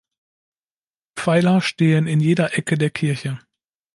Pfeiler stehen in jeder Ecke der Kirche.